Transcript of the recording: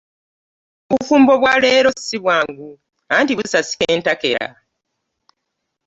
Obufumbo bwa leero si bwangu anti busasika entakera.